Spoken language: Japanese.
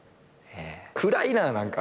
暗いな何か。